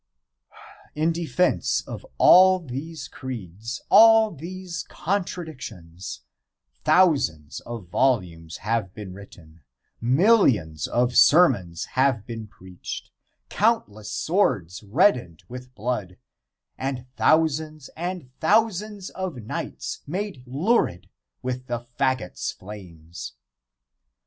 In defence of all these creeds, all these contradictions, thousands of volumes have been written, millions of sermons have been preached, countless swords reddened with blood, and thousands and thousands of nights made lurid with the faggot's flames.